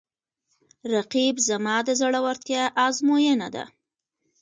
رقیب زما د زړورتیا آزموینه ده